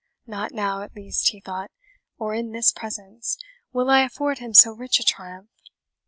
"Not now, at least," he thought, "or in this presence, will I afford him so rich a triumph."